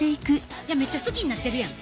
いやめっちゃ好きになってるやん。